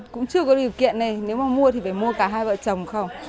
cũng chưa có điều kiện này nếu mà mua thì phải mua cả hai vợ chồng không